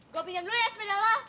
gue pinjam dulu ya semedalah